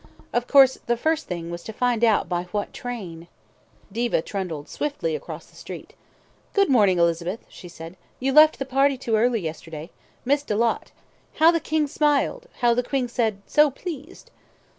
Of course, the first thing was to find out by what train ... Diva trundled swiftly across the street "Good morning, Elizabeth," she said. "You left the party too early yesterday. Missed a lot. How the King smiled! How the Queen said 'So pleased'."